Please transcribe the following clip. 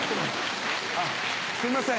あっすいません